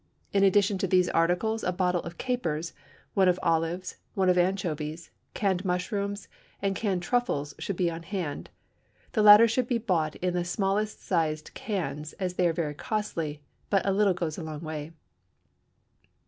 In addition to these articles a bottle of capers, one of olives, one of anchovies, canned mushrooms, and canned truffles should be on hand the latter should be bought in the smallest sized cans, as they are very costly, but a little goes a long way.